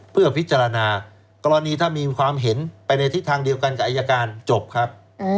เพื่อพิจารณากรณีถ้ามีความเห็นไปในทิศทางเดียวกันกับอายการจบครับ